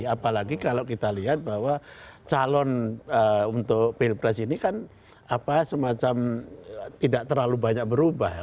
apalagi kalau kita lihat bahwa calon untuk pilpres ini kan semacam tidak terlalu banyak berubah